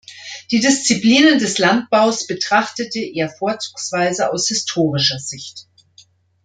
Die Disziplinen des Landbaus betrachtete er vorzugsweise aus historischer Sicht.